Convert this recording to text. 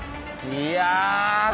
いや。